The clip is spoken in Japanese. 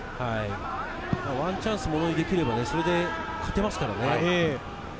ワンチャンスをものにできればそれで勝てますからね。